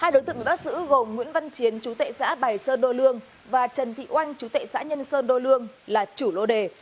hai đối tượng bị bắt giữ gồm nguyễn văn chiến chú tệ xã bài sơn đô lương và trần thị oanh chú tệ xã nhân sơn đô lương là chủ lô đề